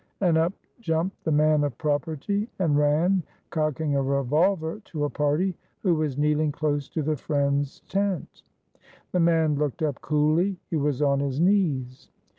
and up jumped the man of property and ran cocking a revolver to a party who was kneeling close to the friends' tent. The man looked up coolly; he was on his knees.